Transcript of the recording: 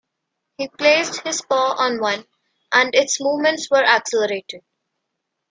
He placed his paw on one, and its movements were accelerated.